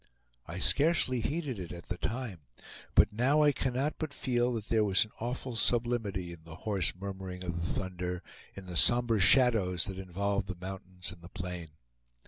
I scarcely heeded it at the time, but now I cannot but feel that there was an awful sublimity in the hoarse murmuring of the thunder, in the somber shadows that involved the mountains and the plain.